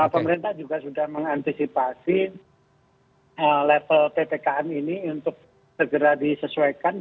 pemerintah juga sudah mengantisipasi level ppkm ini untuk segera disesuaikan